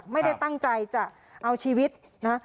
ไม่ได้ตั้งใจจะเอาชีวิตนะ